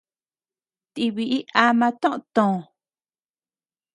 Ti biʼi ama toʼö too.